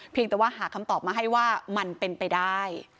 แต่ว่าหาคำตอบมาให้ว่ามันเป็นไปได้